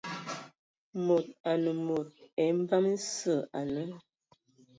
Mod anə mod evam sə ane..